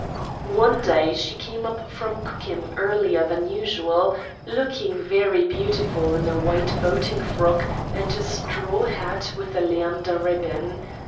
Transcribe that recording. One day she came up from Cookham earlier than usual, looking very beautiful in a white boating frock and a straw hat with a Leander ribbon.